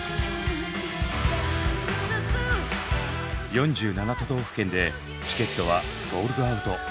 ４７都道府県でチケットはソールドアウト。